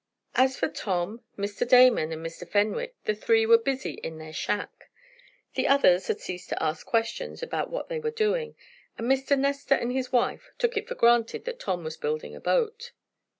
As for Tom, Mr. Damon and Mr. Fenwick, the three were busy in their shack. The others had ceased to ask questions about what they were doing, and Mr. Nestor and his wife took it for granted that Tom was building a boat.